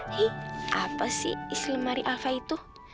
eh apa sih isi lemari alva itu